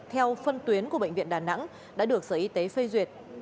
theo phân tuyến của bệnh viện đà nẵng đã được sở y tế phê duyệt